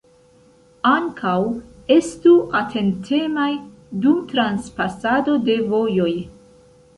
Ankaŭ estu atentemaj dum transpasado de vojoj.